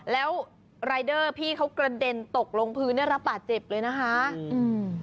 แล้วรายเดอร์พี่เขากระเด็นตกลงพื้นได้รับบาดเจ็บเลยนะคะอืม